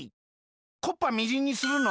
こっぱみじんにするの？